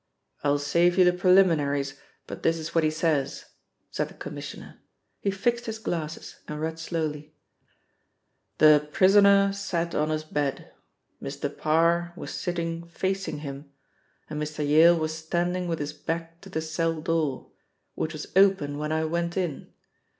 "I'll save you the preliminaries, but this is what he says," said the Commissioner; he fixed his glasses and read slowly: "The prisoner sat on his bed. Mr. Parr was sitting facing him and Mr. Yale was standing with his back to the cell door, which was open when I went in.